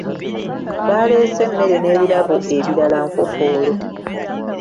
Baaleese emmere n’ebirabo ebirala nfofoolo.